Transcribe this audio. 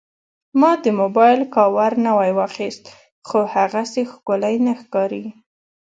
ما د موبایل کاور نوی واخیست، خو هغسې ښکلی نه ښکاري.